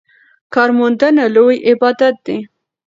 کارموندنه لوی عبادت دی.